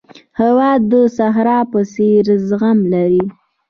هېواد د صحرا په څېر زغم لري.